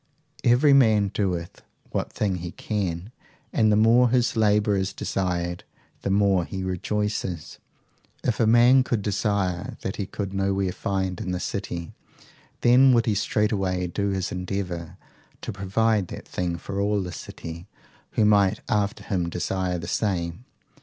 Every man doeth what thing he can, and the more his labour is desired, the more he rejoices. If a man should desire that he could no where find in the city? Then would he straightway do his endeavour to provide that thing for all in the city who might after him desire the same.